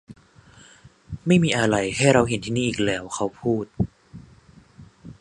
ไม่มีอะไรให้เราเห็นที่นี่อีกแล้วเขาพูด